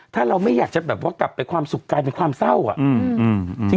ถ้าเราไม่อยากจะแบบว่ากลับไปความสุขกลายเป็นความเศร้าอ่ะ